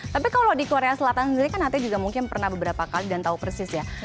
tapi kalau di korea selatan sendiri kan hati juga mungkin pernah beberapa kali dan tahu persis ya